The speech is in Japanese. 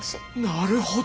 なるほど！